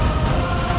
aku mau makan